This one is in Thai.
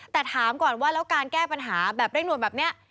แต่ถามก่อนว่าแล้วการแก้ปัญหาแบบเร่งด่วนแบบนี้